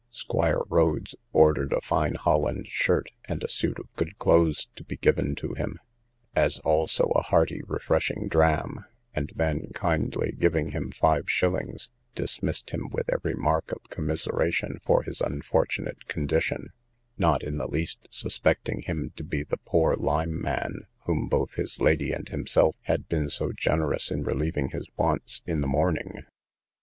Squire Rhodes ordered a fine Holland shirt, and a suit of good clothes to be given to him, as also a hearty refreshing dram; and then, kindly giving him five shillings, dismissed him with every mark of commiseration for his unfortunate condition, not in the least suspecting him to be the poor Lyme man, whom both his lady and himself had been so generous in relieving his wants in the morning.